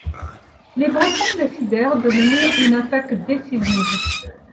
Les Bretons décidèrent de mener une attaque décisive.